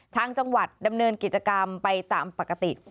ทางจังหวัดดำเนินกิจกรรมไปตามปกติ